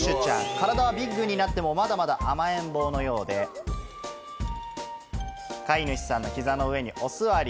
体はビッグになっても、まだまだ甘えん坊のようで、飼い主さんの膝の上にお座り。